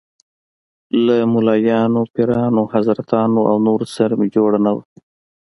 له ملايانو، پیرانو، حضرتانو او نورو سره مې جوړه نه وه.